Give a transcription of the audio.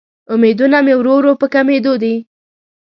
امیدونه مې ورو ورو په کمیدو دې